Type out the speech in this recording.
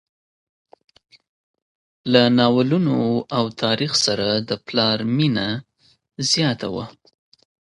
له ناولونو او تاریخ سره د پلار مینه زیاته وه.